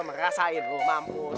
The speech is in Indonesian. merasa ilu mampus